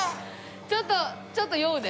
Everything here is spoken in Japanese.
ちょっとちょっと酔うね。